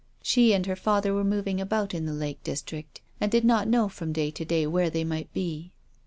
She and her father were moving about in the Lake district, and did not know from day to day where they might be.